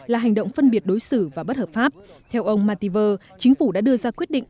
là hành động phân biệt đối xử và bất hợp pháp theo ông mattiver chính phủ đã đưa ra quyết định